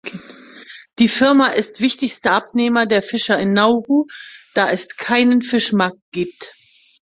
Die Firma ist wichtigster Abnehmer der Fischer in Nauru, da es keinen Fischmarkt gibt.